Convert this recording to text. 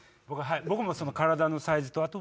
僕も体のサイズとあと。